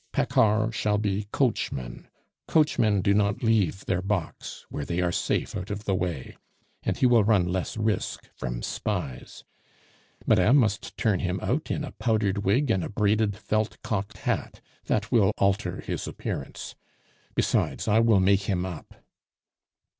Paccard shall be coachman. Coachmen do not leave their box, where they are safe out of the way; and he will run less risk from spies. Madame must turn him out in a powdered wig and a braided felt cocked hat; that will alter his appearance. Besides, I will make him us."